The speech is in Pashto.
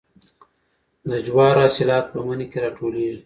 د جوارو حاصلات په مني کې راټولیږي.